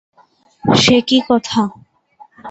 সে কী কথা?